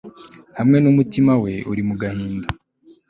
hamwe n'umutima we uri mu gahinda